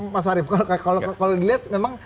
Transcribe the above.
mas arief kalau dilihat memang